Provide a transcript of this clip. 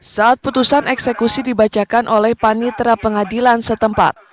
saat putusan eksekusi dibacakan oleh panitera pengadilan setempat